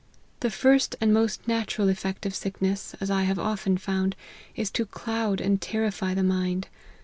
The first and most natural effect of sickness, as I have often found, is to cloud and terrify the mind.